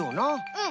うん。